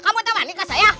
kamu tuh manikah saya